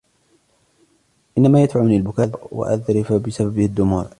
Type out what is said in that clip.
إن ما يدفعني للبكاء، وأذرف بسببه الدموع